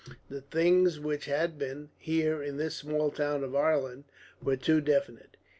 The things which had been, here, in this small town of Ireland, were too definite.